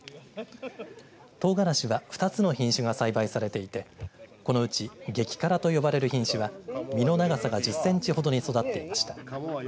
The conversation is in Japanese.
トウガラシは２つの品種が栽培されていてこのうちげきからと呼ばれる品種は実の長さが１０センチほどに育っていました。